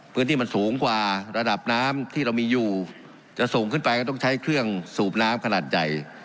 พื้นที่มันสูงกว่าระดับน้ำที่เรามีอยู่จะส่งขึ้นไปก็ต้องใช้เครื่องสูบน้ำขนาดใหญ่